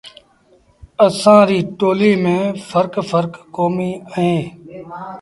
اسآݩ ريٚ ٽوليٚ ميݩ ڦرڪ ڦرڪ ڪوميݩ اوهيݩ۔